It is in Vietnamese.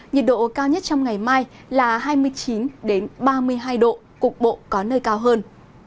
nhiệt độ cao nhất trong ngày mai là hai mươi chín ba mươi hai độ cục bộ có nơi cao hơn